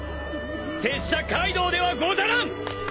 拙者カイドウではござらん！